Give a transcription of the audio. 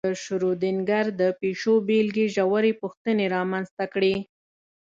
د شرودینګر د پیشو بېلګې ژورې پوښتنې رامنځته کړې.